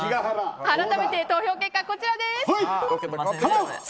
改めて投票結果、こちらです。